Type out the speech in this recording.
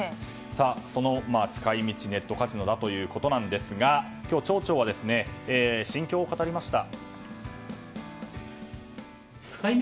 その使い道、ネットカジノだということなんですが今日、町長は心境を語りました。